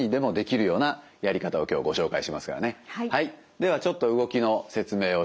ではちょっと動きの説明をします。